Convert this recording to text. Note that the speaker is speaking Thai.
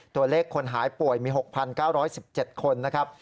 ตัวเลขคนหายป่วยมี๖๙๑๗คนนะครับ